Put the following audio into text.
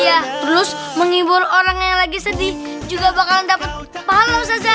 iya terus menghibur orang yang sedih juga bakal dapat pahala ustazah